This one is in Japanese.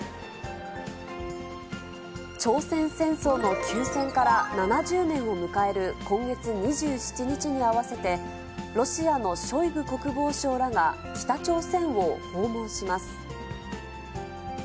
朝鮮戦争の休戦から７０年を迎える今月２７日に合わせて、ロシアのショイグ国防相らが北朝鮮を訪問します。